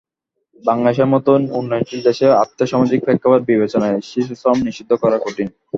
বাংলাদেশের মতো উন্নয়নশীল দেশে আর্থসামাজিক প্রেক্ষাপট বিবেচনায় শিশুশ্রম নিষিদ্ধ করা কঠিন।